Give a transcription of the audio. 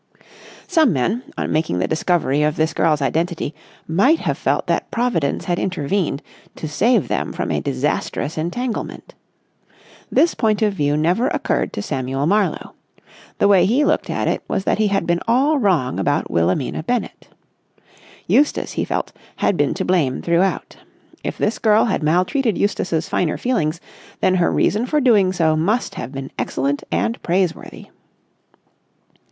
Some men, on making the discovery of this girl's identity, might have felt that Providence had intervened to save them from a disastrous entanglement. This point of view never occurred to Samuel Marlowe. The way he looked at it was that he had been all wrong about Wilhelmina Bennett. Eustace, he felt, had been to blame throughout. If this girl had maltreated Eustace's finer feelings, then her reason for doing so must have been excellent and praiseworthy.